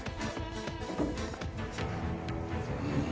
うん？